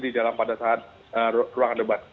di dalam pada saat ruangan debat